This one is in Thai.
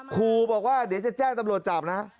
ครูบอกว่าเดี๋ยวจะแจ้งตำรวจจับนะ